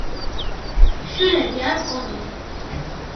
შვილები არ ყოლია.